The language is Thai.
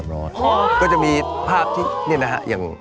๑ใน๓๐๐ตัวก็จะมีภาพที่นี่นะฮะอย่าง